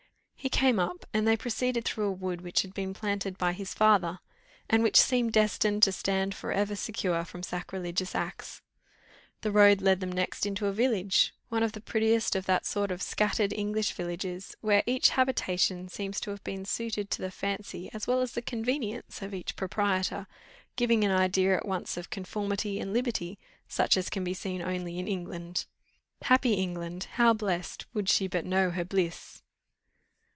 He came up, and they proceeded through a wood which had been planted by his father, and which seemed destined to stand for ever secure from sacrilegious axe. The road led them next into a village, one of the prettiest of that sort of scattered English villages, where each habitation seems to have been suited to the fancy as well as to the convenience of each proprietor; giving an idea at once of comfort and liberty, such as can be seen only in England. Happy England, how blest, would she but know her bliss!